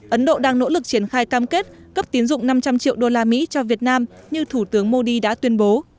ấn độ đang nỗ lực triển khai cam kết cấp tiến dụng năm trăm linh triệu đô la mỹ cho việt nam như thủ tướng modi đã tuyên bố